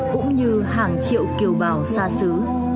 cũng như hàng triệu kiều bào xa xứ